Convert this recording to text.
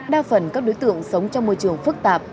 đa phần các đối tượng sống trong môi trường phức tạp